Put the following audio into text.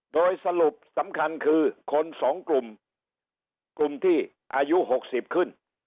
โดยสรุปสำคัญคือคนสองกลุ่มกลุ่มที่อายุ๖๐ขึ้น